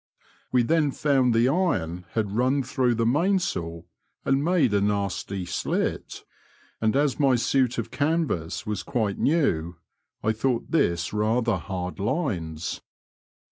We then found the iron had run through the mainsail and made a nasty slit, and as my suit of canvas was quite new, I thought this rather hard lines.